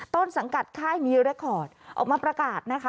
ต้นสังกัดค่ายมีรายวันออกมาประกาศนะคะ